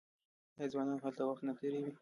آیا ځوانان هلته وخت نه تیروي؟